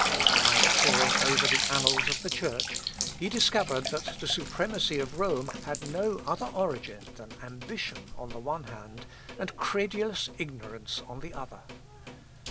While poring over the annals of the Church, he discovered that the supremacy of Rome had no other origin than ambition on the one hand, and credulous ignorance on the other.